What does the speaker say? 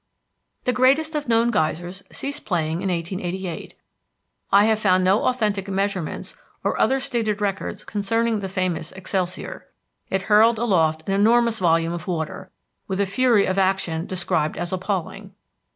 The greatest of known geysers ceased playing in 1888. I have found no authentic measurements or other stated records concerning the famous Excelsior. It hurled aloft an enormous volume of water, with a fury of action described as appalling.